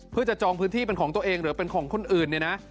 เพื่อจะจองพื้นที่เป็นของตัวเองหรือเป็นของคนอื่นเนี่ยนะ